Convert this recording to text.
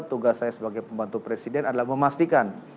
tugas saya sebagai pembantu presiden adalah memastikan